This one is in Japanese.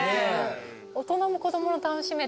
大人も子供も楽しめて。